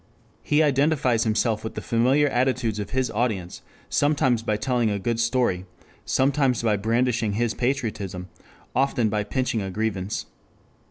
He identifies himself with the familiar attitudes of his audience, sometimes by telling a good story, sometimes by brandishing his patriotism, often by pinching a grievance.